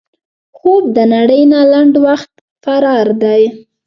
خوب د نړۍ نه لنډ وخت فرار دی